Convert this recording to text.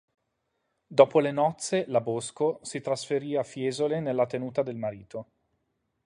Dopo le nozze, la Bosco, si trasferì a Fiesole nella tenuta del marito.